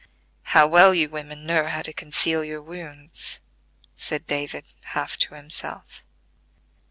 "How well you women know how to conceal your wounds," said David, half to himself.